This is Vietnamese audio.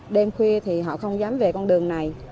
đêm khuya thì họ không dám về con đường này